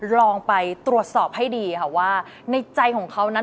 ลองไปตรวจสอบให้ดีค่ะว่าในใจของเขานั้น